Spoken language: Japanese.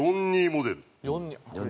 ４２モデル。